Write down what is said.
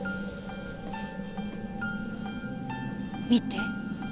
見て。